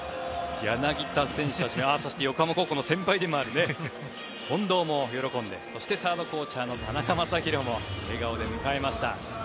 柳田選手たち、そして横浜高校の先輩でもある近藤も喜んでサードコーチャーの田中将大も笑顔で迎えました。